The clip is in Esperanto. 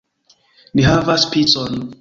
Ni havas picon!